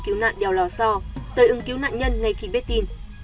cứu nạn đèo lò so tới ưng cứu nạn nhân ngay khi biết tin